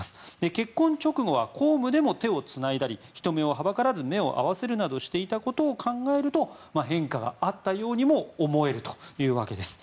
結婚直後は公務でも手をつないだり人目をはばからず目を合わせたりしていたことを考えると変化があったようにも思えるというわけです。